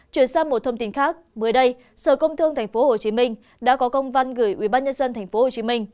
chuyển sang một thông tin khác mới đây sở công thương tp hcm đã có công văn gửi ubnd tp hcm